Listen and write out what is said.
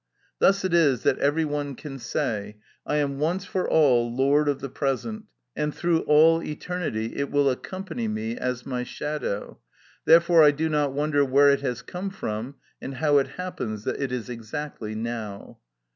Thus it is that every one can say, "I am once for all lord of the present, and through all eternity it will accompany me as my shadow: therefore I do not wonder where it has come from, and how it happens that it is exactly now."